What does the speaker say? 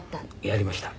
やりました。